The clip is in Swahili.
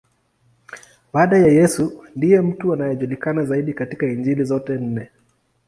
Baada ya Yesu, ndiye mtu anayejulikana zaidi katika Injili zote nne.